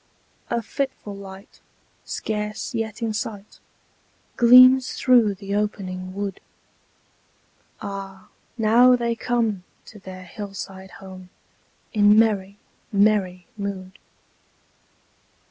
A fitful light, scarce yet in sight, Gleams through the opening wood: Ah! now they come to their hill side home, In merry, merry mood.